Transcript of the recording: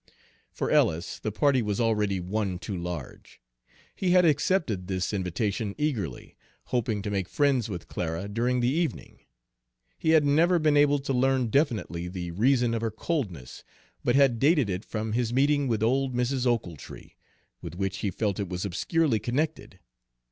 For Ellis the party was already one too large. He had accepted this invitation eagerly, hoping to make friends with Clara during the evening. He had never been able to learn definitely the reason of her coldness, but had dated it from his meeting with old Mrs. Ochiltree, with which he felt it was obscurely connected.